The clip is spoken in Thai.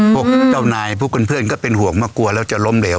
พวกเจ้านายพวกเพื่อนก็เป็นห่วงมากลัวแล้วจะล้มเหลว